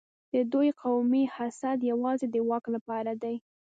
د دوی قومي حسد یوازې د واک لپاره دی.